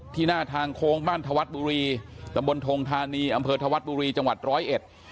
ที่หน้าทางโค้งบ้านถวัฏบุรีจังหวัดร้อยเอ็ด